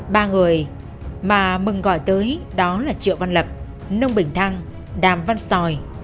ba người mà mừng gọi tới đó là triệu văn lập nông bình thăng đàm văn sòi